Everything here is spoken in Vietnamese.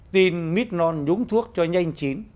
tin midnon nhúng thuốc cho nhanh chín